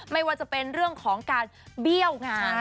ไม่ว่าจะเป็นเรื่องของการเบี้ยวงาน